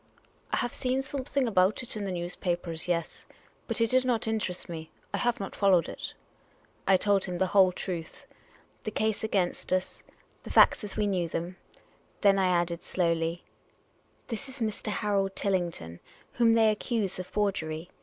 " I have seen something about it in the newspapers ; yes . But it did not interest me : I have not followed it." I told him the whole truth ; the case against us — the facts The Oriental Attendant 3^3 as we knew them. Then I added slowly: "This is Mr. Harold Tillington, whom they accuse of forgery.